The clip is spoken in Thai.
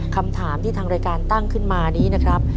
คำถามที่ทางรายการตั้งขึ้นมานี้นะครับ